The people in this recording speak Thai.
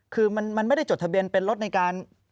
คือมันไม่ได้จดทะเบียนเป็นรถในการ